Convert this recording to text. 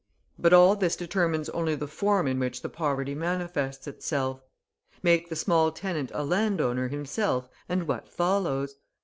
But all this determines only the form in which the poverty manifests itself. Make the small tenant a landowner himself and what follows?